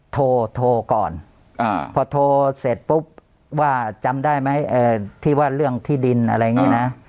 โทรโทรก่อนพอโทรเสร็จปุ๊บว่าจำได้ไหมที่ว่าเรื่องที่ดินอะไรอย่างนี้นะ